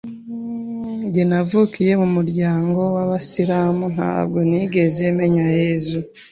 Njye navukiye mu muryango w’aba islamu ntabwo nigeze menya Yesu